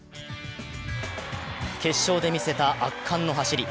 決勝で見せた圧巻の走り。